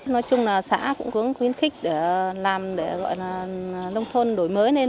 nói chung là xã cũng khuyến khích để làm để gọi là nông thôn đổi mới lên